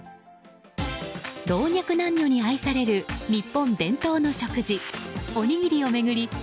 老若男女に愛される日本伝統の食事おにぎりを巡り